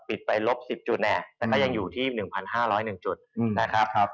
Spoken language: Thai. ปิดไปลบ๑๐จุดแต่ก็ยังอยู่ที่๑๕๐๑จุดนะครับ